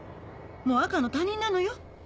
もう赤の他人なのよ。